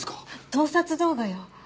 盗撮動画よ。